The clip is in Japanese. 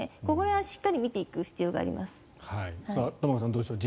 ここはしっかり見ていく必要があると思います。